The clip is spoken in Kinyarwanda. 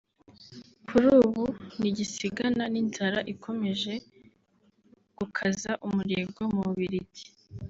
kuri ubu ntigisigana n’inzara ikomeje gukaza umurego mu Bubiligi